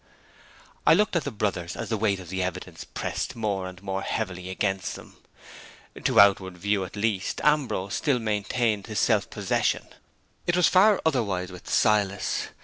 I looked at the brothers as the weight of the evidence pressed more and more heavily against them. To outward view at least, Ambrose still maintained his self possession. It was far otherwise with Silas.